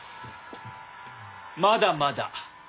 まだまだ。